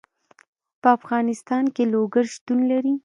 په افغانستان کې لوگر شتون لري.